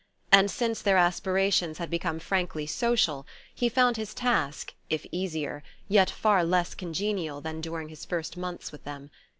And since their aspirations had become frankly social he found his task, if easier, yet far less congenial than during his first months with them.